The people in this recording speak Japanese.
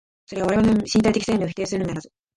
それは我々の身体的生命を否定するのみならず、